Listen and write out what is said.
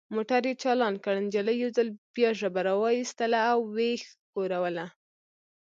موټر یې چالان کړ، نجلۍ یو ځل بیا ژبه را وایستل او ویې ښوروله.